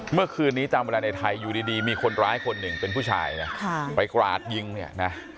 เมื่อคืนนี้ตามเวลาในไทยอยู่ดีมีคนร้ายคนหนึ่งเป็นผู้ชายนะไปกราดยิงเนี่ยนะ